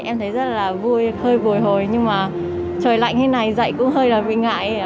em thấy rất là vui hơi vùi hồi nhưng mà trời lạnh như thế này dạy cũng hơi là bị ngại